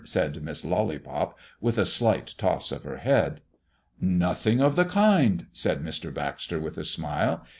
said Miss Lollypop, with a slight toss of her head. "Nothing of the kind," said Mr. Baxter, with a smile.